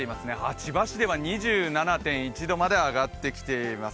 千葉市では２７．１度まで上がってきています。